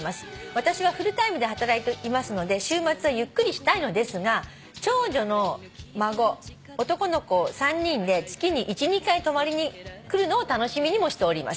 「私はフルタイムで働いていますので週末はゆっくりしたいのですが長女の孫男の子３人で月に１２回泊まりに来るのを楽しみにもしております」